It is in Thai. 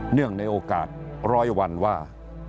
เนื่องในโอกาสร้อยวันว่า